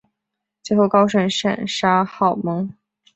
最后高顺斩杀郝萌。